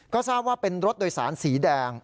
ก็ทราบว่าเป็นรถโดยสารสีแดง